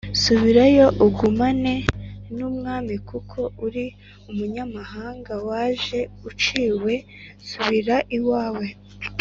Subirayo ugumane n’umwami kuko uri umunyamahanga waje uciwe, subira iwawe.